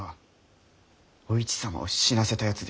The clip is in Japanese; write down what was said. お市様を死なせたやつですぞ。